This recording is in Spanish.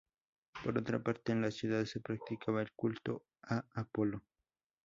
Por otra parte, en la ciudad se practicaba el culto a Apolo.